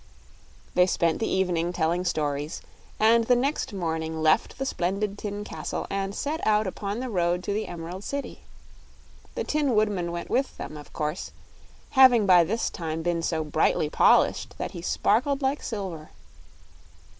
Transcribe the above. They spent the evening telling stories, and the next morning left the splendid tin castle and set out upon the road to the Emerald City. The Tin Woodman went with them, of course, having by this time been so brightly polished that he sparkled like silver.